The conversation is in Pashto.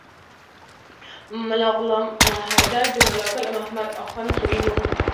ملا غلام حیدر د ملا ګل محمد اخند زوی و.